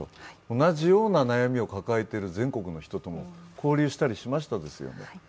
同じような悩みを抱えている全国の人とも交流したりしましたよね。